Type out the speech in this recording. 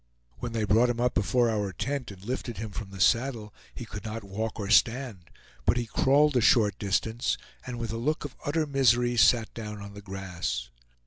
When they brought him up before our tent, and lifted him from the saddle, he could not walk or stand, but he crawled a short distance, and with a look of utter misery sat down on the grass.